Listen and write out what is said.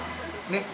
ねっ。